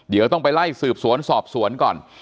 เดี๋ยวต้องไปไล่สืบสวนสอบสวนก่อน